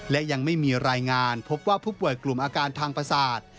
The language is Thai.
และยังไม่มีรายงานพบว่าผู้ป่วยกลุ่มอาการทางประสาท